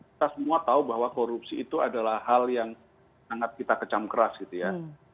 kita semua tahu bahwa korupsi itu adalah hal yang sangat kita kecam keras gitu ya